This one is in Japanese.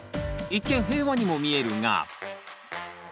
一見平和にも見えるが。